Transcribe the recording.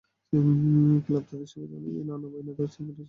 Club তাদের সুবিধা অনুযায়ী নানা বায়না ধরছে, ফেডারেশন তাতে নতি স্বীকার করছে।